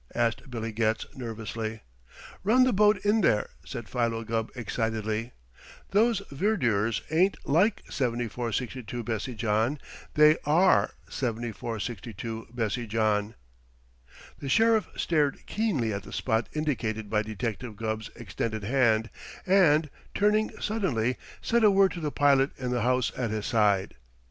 asked Billy Getz nervously. "Run the boat in there," said Philo Gubb excitedly. "Those verdures ain't like 7462 Bessie John; they are 7462 Bessie John." The Sheriff stared keenly at the spot indicated by Detective Gubb's extended hand and, turning suddenly, said a word to the pilot in the house at his side.